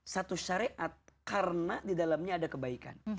satu syariat karena di dalamnya ada kebaikan